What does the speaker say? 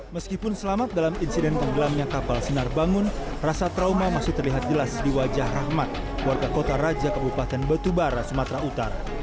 meskipun selamat dalam insiden tenggelamnya kapal sinar bangun rasa trauma masih terlihat jelas di wajah rahmat warga kota raja kabupaten batubara sumatera utara